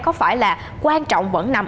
có phải là quan trọng vẫn nằm